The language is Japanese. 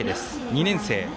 ２年生。